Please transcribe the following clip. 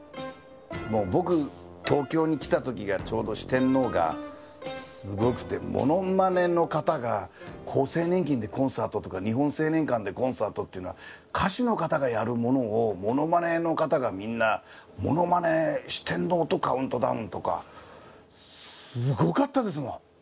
もう僕東京に来た時がちょうど四天王がすごくてモノマネの方が厚生年金でコンサートとか日本青年館でコンサートっていうのは歌手の方がやるものをモノマネの方がみんなものまね四天王とカウントダウンとかすごかったですもん。